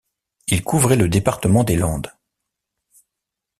Il couvrait le département des Landes.